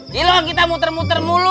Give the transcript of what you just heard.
di luar kita muter muter mulu